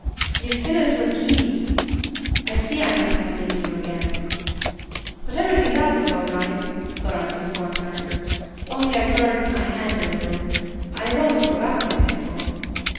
"You silly little geese! I see I must not leave you again." "But everything else was all right," Florence informed her, "only I burned my hand a little. I had almost forgotten it, Dimple."